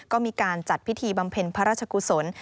ก็มีการจัดพิธีบำเพ็ญพระราชกุศล